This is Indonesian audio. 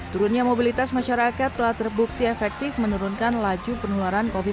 turunnya mobilitas masyarakat telah terbukti efektif menurunkan laju penularan covid sembilan belas